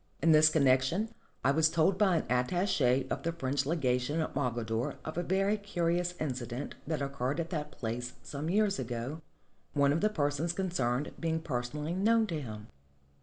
In this connection I was told by an attache of the French legation at Mogador of a very curious incident that occurred at that place some years ago, one of the persons concerned being personally known to him.